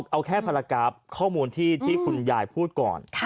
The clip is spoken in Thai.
เอาแค่ภารกราฟข้อมูลที่คุณยายพูดก่อน